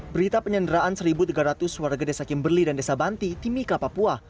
berita penyanderaan satu tiga ratus warga desa kimberli dan desa banti timika papua